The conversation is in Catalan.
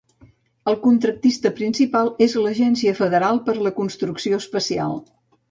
El contractista principal és l'Agència Federal per a la Construcció Especial.